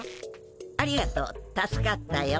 ありがとう助かったよ。